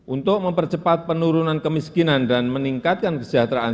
untuk mempercepat penurunan kemiskinan dan meningkatkan kesejahteraan